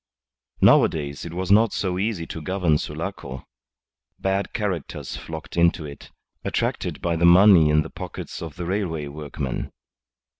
Nowadays it was not so easy to govern Sulaco. Bad characters flocked into it, attracted by the money in the pockets of the railway workmen.